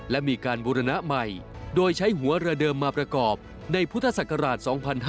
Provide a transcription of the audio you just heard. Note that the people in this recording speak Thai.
และมีการบูรณะใหม่โดยใช้หัวเรือเดิมมาประกอบในพุทธศักราช๒๕๕๙